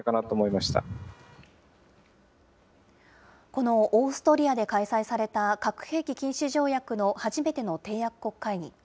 このオーストリアで開催された核兵器禁止条約の初めての締約国会議。